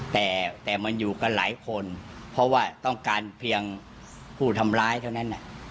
แต่มันอยู่กันหลายคนเพราะว่าต้องการเพียงผู้ทำร้ายเท่านั้น